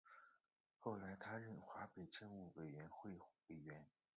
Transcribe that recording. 后来他任华北政务委员会委员。